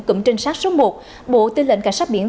cụm trinh sát số một bộ tư lệnh cảnh sát biển